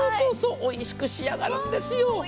おいしく仕上がるんですよ。